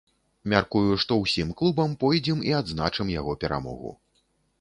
Мяркую, што ўсім клубам пойдзем і адзначым яго перамогу.